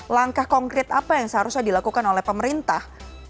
langkah konkret apa yang seharusnya dilakukan oleh pemerintah